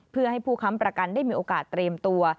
เพื่อให้ผู้ค้ำประกันได้มีโอกาสเตรียมตัว